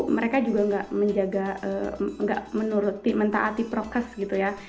mereka juga enggak menuruti mentaati prokes gitu ya